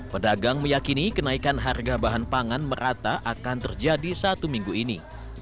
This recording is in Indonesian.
pedagang meyakini kenaikan harga bahan pangan merata akan terjadi satu minggu ini